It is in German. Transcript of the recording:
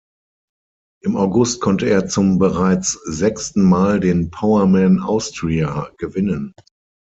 Im August konnte er zum bereits sechsten Mal den Powerman Austria gewinnen.